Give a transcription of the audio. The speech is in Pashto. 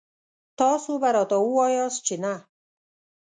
تاسو به راته وواياست چې نه.